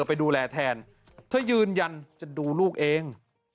ไปดูแลแทนเธอยืนยันจะดูลูกเอง